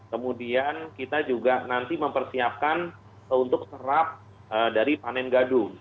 kemudian kita juga nanti mempersiapkan untuk serap dari panen gadu